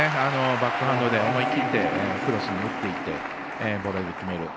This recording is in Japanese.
バックハンドで思い切ってクロスに打っていて決める。